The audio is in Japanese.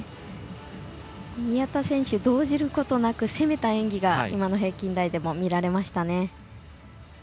宮田選手、動じることなく攻めた演技が今の平均台でも見られましたね。